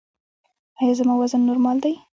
ایا زما وزن نورمال دی؟